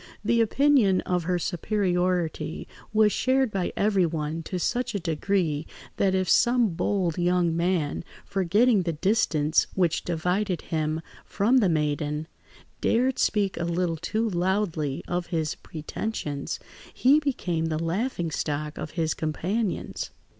The opinion of her superiority was shared by everyone to such a degree, that if some bold young man, forgetting the distance which divided him from the maiden, dared speak a little too loudly of his pretensions, he became the laughing stock of his companions.